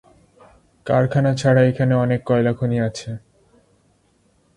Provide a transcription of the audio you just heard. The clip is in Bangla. কারখানা ছাড়া এখানে অনেক কয়লাখনি আছে।